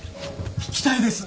行きたいです。